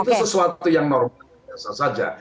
itu sesuatu yang normal biasa saja